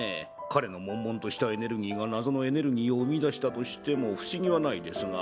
彼のもんもんとしたエネルギーが謎のエネルギーを生み出したとしても不思議はないですが。